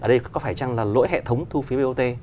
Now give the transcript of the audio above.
đây có phải chăng là lỗi hệ thống thu phí bot